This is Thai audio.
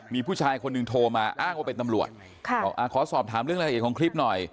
มีผู้ชายคนหนึ่งโทรมาอ้างว่าเป็นตำรวจขอสอบถามเรื่องรายละเอียดของคลิปหน่อย